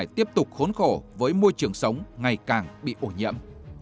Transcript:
tiếp tục khốn khổ với môi trường sống ngày càng bị ổn nhẫm